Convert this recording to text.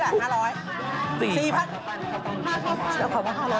ชอบผม๕๐๐วิติศาสตรีชอบผม๕๐๐วิติศาสตรี